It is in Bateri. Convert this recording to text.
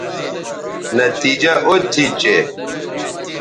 نتیجہ او تھی چہء